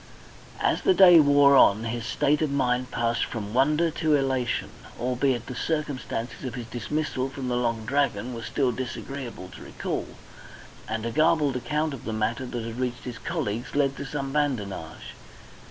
As the day wore on his state of mind passed from wonder to elation, albeit the circumstances of his dismissal from the Long Dragon were still disagreeable to recall, and a garbled account of the matter that had reached his colleagues led to some badinage.